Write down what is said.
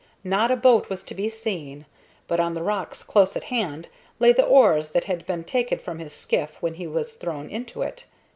Not a boat was to be seen, but on the rocks close at hand lay the oars that had been taken from his skiff when he was thrown into it.